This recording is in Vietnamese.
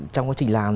trong quá trình làm